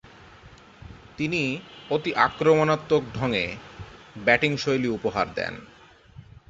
তিনি ‘অতি-আক্রমণাত্মক’ ঢংয়ে ব্যাটিংশৈলী উপহার দেন।